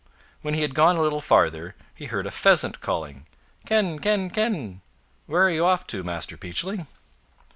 When he had gone a little farther, he heard a Pheasant calling— "Ken! ken! ken! where are you off to, Master Peachling?"